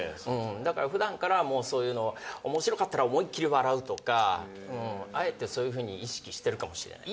だからふだんからそういうのを、おもしろかったら思いっ切り笑うとか、あえてそういうふうに意識しているかもしれない。